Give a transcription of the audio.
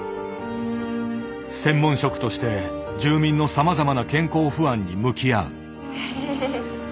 専門職として住民のさまざまな健康不安に向き合う。